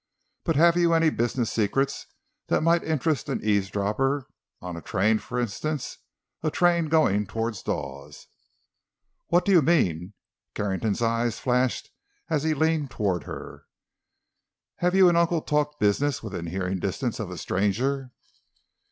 But have you any business secrets that might interest an eavesdropper? On a train, for instance—a train going toward Dawes?" "What do you mean?" Carrington's eyes flashed as he leaned toward her. "Have you and uncle talked business within hearing distance of a stranger?"